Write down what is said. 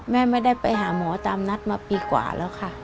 แม่ไม่ได้ไปหาหมอตามนัดมาปีกว่าแล้วค่ะ